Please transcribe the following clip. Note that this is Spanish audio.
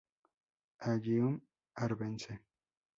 Allium arvense